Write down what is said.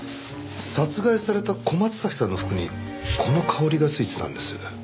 殺害された小松崎さんの服にこの香りが付いてたんです。